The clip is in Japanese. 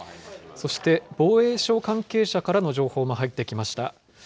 そして、防衛省関係者からの情報も入ってきました。